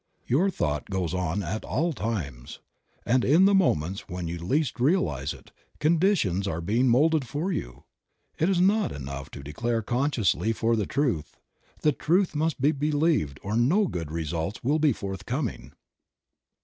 Your thought goes on at all times, and in the moments when you least realize it, conditions are being moulded for you. It is not enough to declare consciously for the truth. The truth must be lived or no good results will be forthcoming.